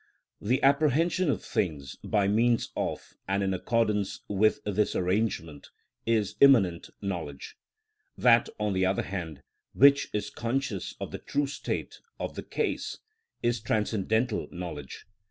The apprehension of things by means of and in accordance with this arrangement is immanent knowledge; that, on the other hand, which is conscious of the true state of the case, is transcendental knowledge.